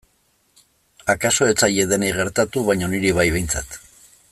Akaso ez zaie denei gertatu baina niri bai behintzat.